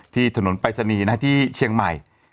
ที่ถนนไปเสนีที่เชียงใหม่